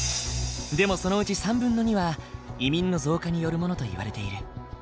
でもそのうち2/3は移民の増加によるものといわれている。